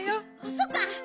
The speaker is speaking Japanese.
そっか！